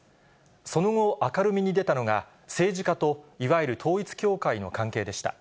その後、明るみに出たのが政治家といわゆる統一教会の関係でした。